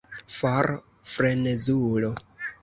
For, frenezulo!